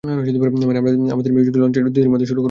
মানে আমরা আমাদের মিউজিক লঞ্চটি দুই দিনের মধ্যে শুরু করব।